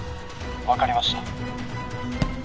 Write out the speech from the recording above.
分かりました